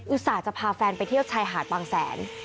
ส่าห์จะพาแฟนไปเที่ยวชายหาดบางแสน